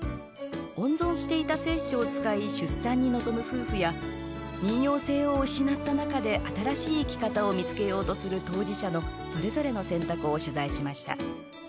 温存していた精子を使い出産に臨む夫婦や妊よう性を失った中で新しい生き方を見つけようとする当事者のそれぞれの選択を取材しました。